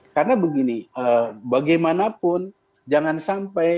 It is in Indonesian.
karena begini bagaimanapun jangan sampai